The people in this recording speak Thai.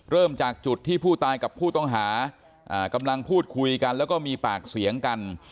เริ่มจากจุดที่ผู้ตายกับผู้ต้องหากำลังพูดคุยกันแล้วก็มีปากเสียงกัน